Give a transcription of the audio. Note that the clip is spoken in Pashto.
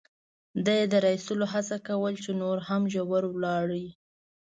ده یې د را اېستلو هڅه کول، چې نور هم ژور ولاړ.